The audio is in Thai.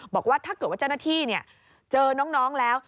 บอกว่าถ้าเกิดว่าเจ้าหน้าที่เจอน้องแล้ว